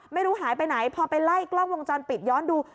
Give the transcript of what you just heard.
ไม่รู้หายไปไหนพอไปไล่กล้องวงจรปิดย้อนดู